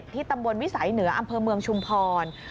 ตำบลวิสัยเหนืออำเภอเมืองชุมพร